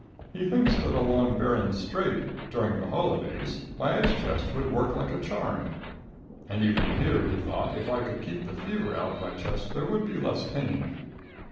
He thinks that along Behring's Strait, during the holidays, my ice chest would work like a charm. And even here, he thought, if I could keep the fever out of my chest there would be less pain.